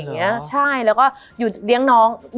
มันทำให้ชีวิตผู้มันไปไม่รอด